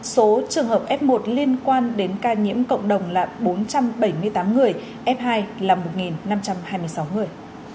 số trường hợp f một liên quan đến ca nhiễm cộng đồng là bốn trăm bảy mươi tám người f hai là một năm trăm hai mươi sáu người